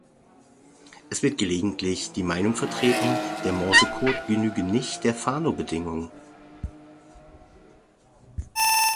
Es wird gelegentlich die Meinung vertreten, der Morsecode genüge nicht der Fano-Bedingung.